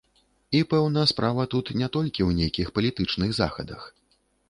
І, пэўна, справа тут не толькі ў нейкіх палітычных захадах.